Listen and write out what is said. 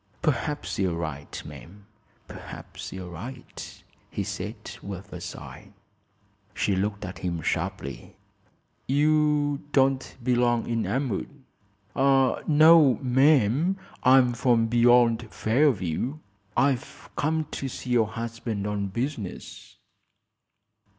"Perhaps you're right, ma'am; perhaps you're right," he said, with a sigh. She looked at him sharply. "You don't belong in Elmwood." "No, ma'am; I'm from beyond Fairview. I've come to see your husband on business."